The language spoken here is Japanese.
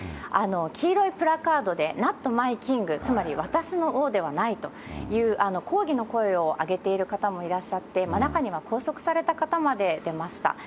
黄色いプラカードで、ノット・マイ・キング、つまり私の王ではないという、抗議の声を上げている方もいらっしゃって、中には拘束された方まで出ました。